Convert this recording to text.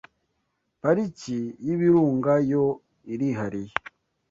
Pariki y’Ibirunga yo irihariye